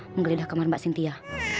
menggeledah kamar mbak sintia